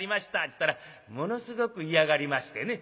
ちゅうたらものすごく嫌がりましてね。